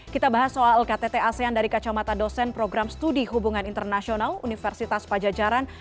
kita bahas soal ktt asean dari kacamata dosen program studi hubungan internasional universitas pajajaran